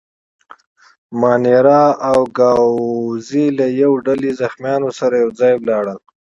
مانیرا او ګاووزي له یوه ډله زخیمانو سره یو ځای ولاړل.